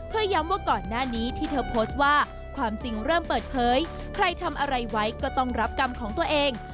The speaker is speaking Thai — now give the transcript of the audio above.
เพื่อย้ำว่าก่อนหน้านี้ที่เธอโพสต์ว่าความจริงเริ่มเปิดเผยใครทำอะไรไว้ก็ต้องรับกรรมของตัวเอง